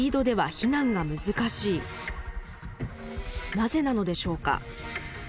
なぜなのでしょうか？